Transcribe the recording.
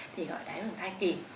thì gọi là đáy áo đường thai kỷ